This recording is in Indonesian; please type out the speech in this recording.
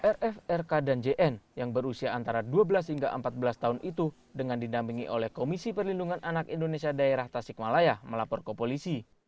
rf rk dan jn yang berusia antara dua belas hingga empat belas tahun itu dengan dinamingi oleh komisi perlindungan anak indonesia daerah tasikmalaya melapor ke polisi